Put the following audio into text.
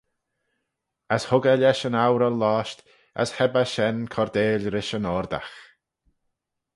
As hug eh lesh yn oural-losht, as heb eh shen cordail rish yn oardagh.